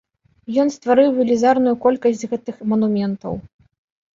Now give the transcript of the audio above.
Ён стварыў велізарную колькасць гэтых манументаў.